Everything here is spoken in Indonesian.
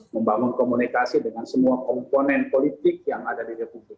membangun komunikasi dengan semua komponen politik yang ada di republik